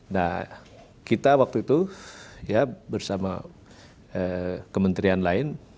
nah kita waktu itu ya bersama kementerian lain